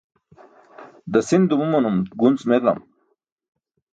Dasin dumumanum gunc meġam.